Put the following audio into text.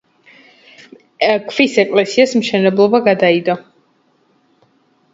ქვის ეკლესიის მშენებლობა გადაიდო.